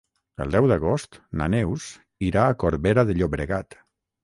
El deu d'agost na Neus irà a Corbera de Llobregat.